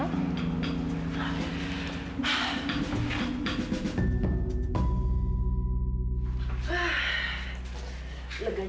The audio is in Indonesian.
daripada dia terus ngurusin si nona